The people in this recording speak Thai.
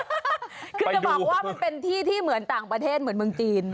คือจะบอกว่ามันเป็นที่ที่เหมือนต่างประเทศเหมือนเมืองจีน